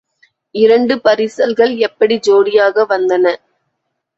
இரண்டு பரிசல்கள் எப்படி ஜோடியாக வந்தன?